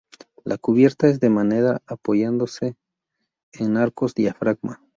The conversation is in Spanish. La cubierta es de madera apoyándose en arcos diafragma.